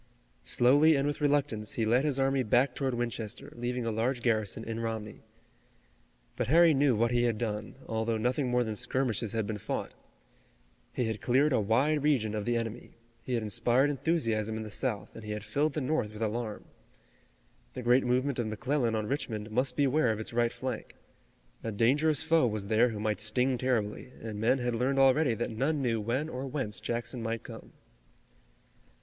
Slowly and with reluctance, he led his army back toward Winchester, leaving a large garrison in Romney. But Harry knew what he had done, although nothing more than skirmishes had been fought. He had cleared a wide region of the enemy. He had inspired enthusiasm in the South, and he had filled the North with alarm. The great movement of McClellan on Richmond must beware of its right flank. A dangerous foe was there who might sting terribly, and men had learned already that none knew when or whence Jackson might come.